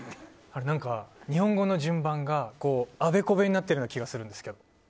日本語の順番があべこべになったような気がするんですけど。